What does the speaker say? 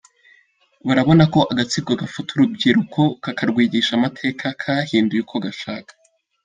Barabona ko agatsiko gafata urubyiriko kakarwigisha amateka kahinduye uko gashaka.